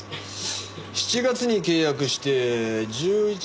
７月に契約して１１月に解約。